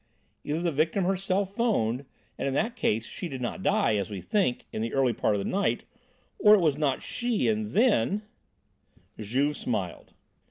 Either the victim herself 'phoned, and in that case she did not die, as we think, in the early part of the night, or it was not she, and then " Juve smiled.